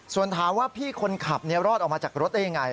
ส่วนถามว่าพี่คนขับรอดออกมาจากรถได้ยังไง